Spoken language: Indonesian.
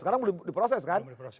sekarang belum diproses kan